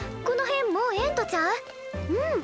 この辺もうええんとちゃう？